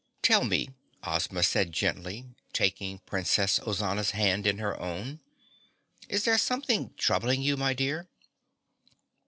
"Tell me," Ozma said gently, taking Princess Ozana's hand in her own, "is there something troubling you, my dear?"